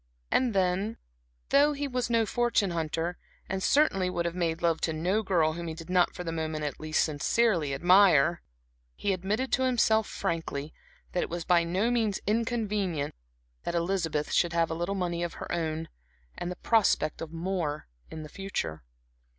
And then though he was no fortune hunter, and certainly would have made love to no girl whom he did not for the moment at least sincerely admire, he admitted to himself, frankly, that it was by no means inconvenient that Elizabeth should have a little money of her own and the prospect of more in the future.